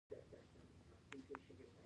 ننګرهار ولې دوه فصله ځمکې لري؟